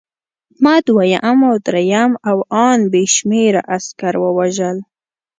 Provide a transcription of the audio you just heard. ما دویم او درېیم او ان بې شمېره عسکر ووژل